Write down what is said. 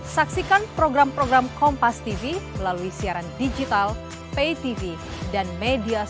saksikan program program kompastv melalui siaran digital paytv dan media